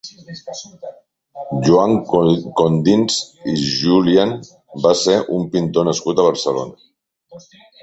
Joan Condins i Julián va ser un pintor nascut a Barcelona.